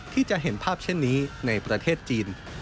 ที่จะเห็นภาพเช่นนี้ในประเทศจีน